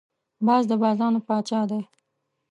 باز د بازانو پاچا دی